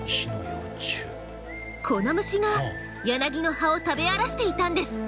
この虫がヤナギの葉を食べ荒らしていたんです。